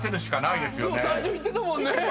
最初言ってたもんね。